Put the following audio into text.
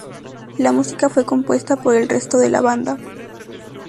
La música fue compuesta por el resto de la banda.